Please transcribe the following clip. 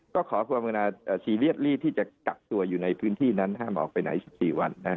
ก็ขอความเวลาซีเรียสลีดที่จะกักตัวอยู่ในพื้นที่นั้นห้ามออกไปไหน๑๔วัน